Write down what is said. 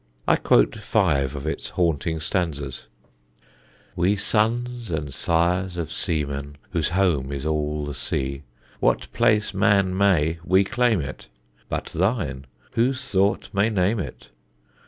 I quote five of its haunting stanzas: We, sons and sires of seamen, Whose home is all the sea, What place man may, we claim it; But thine whose thought may name it?